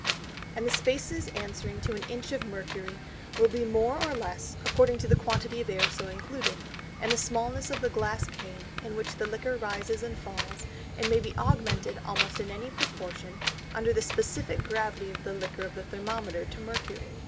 And the Spaces answering to an Inch of Mercury, will be more or less, according to the quantity of Air so included, and the smallness of the Glass Cane, in which the Liquor rises and falls, and may be augmented almost in any proportion, under that of the Specifick Gravity of the Liquor of the Thermometer to Mercury.